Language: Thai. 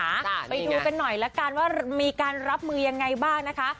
ไปดูกันหน่อยละกันว่ามีการรับมือยังไงบ้างนะคะ